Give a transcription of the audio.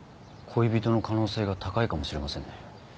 恋人の可能性が高いかもしれませんね。